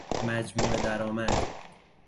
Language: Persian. مجموع درآمد